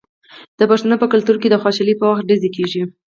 د پښتنو په کلتور کې د خوشحالۍ په وخت ډزې کیږي.